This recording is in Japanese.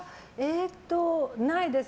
ないです。